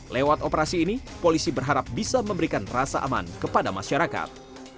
lewat operasi ini polisi berharap bisa memberikan rasa aman kepada masyarakat